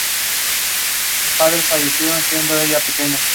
En el Ayuntamiento de Oviedo se conserva su retrato.